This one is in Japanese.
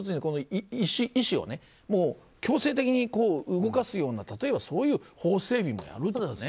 医師を強制的に動かすような例えばそういう法整備もやるとかね。